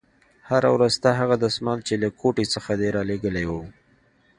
هره ورځ ستا هغه دسمال چې له کوټې څخه دې رالېږلى و.